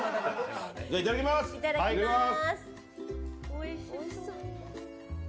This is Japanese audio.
いただきます。